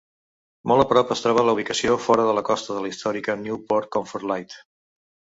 Molt a prop es troba la ubicació fora de la costa de la històrica New Point Comfort Light.